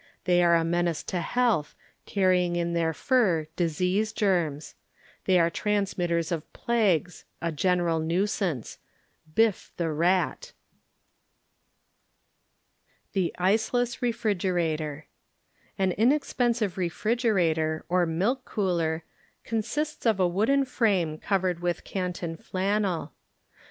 They are a menace to health, carrying in their fur disease germs; they are transmitters of plagues, a general nuisanceŌĆö biff the rati ,v Google CLASSIFIED BTJ8INES8 DIEECTORT The Iceless Refrigrerator An inexpensive refrigerator, or milk cooler, consists of a wooden frame cov ered with Canton flannel.